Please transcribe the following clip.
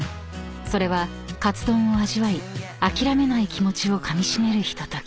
［それはかつ丼を味わい諦めない気持ちをかみしめるひととき］